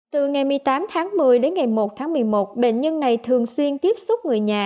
từ ngày một mươi tám tháng một mươi đến ngày một tháng một mươi một bệnh nhân này thường xuyên tiếp xúc người nhà